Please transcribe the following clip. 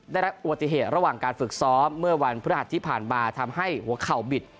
ได้รับอุบัติเหตุระหว่างการฝึกซ้อมเมื่อวันพฤหัสที่ผ่านมาทำให้หัวเข่าบิด